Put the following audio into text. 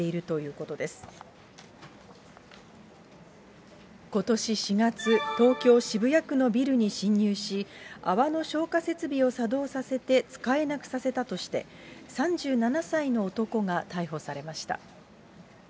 ことし４月、東京・渋谷区のビルに侵入し、泡の消火設備を作動させて使えなくさせたとして、３７歳の男が逮捕されました。